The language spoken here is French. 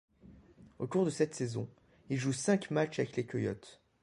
Au cours de cette saison, il joue cinq matchs avec les Coyotes.